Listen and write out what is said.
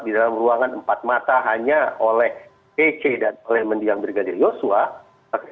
di dalam ruangan empat mata hanya oleh pc dan oleh mendiang brigadir yosua